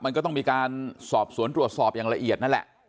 มันก็ต้องมีการสอบสวนตรวจสอบอย่างละเอียดนั่นแหละ